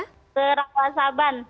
ke rauh saban